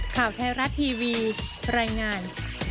ข่าวเทราะทีวีรายงาน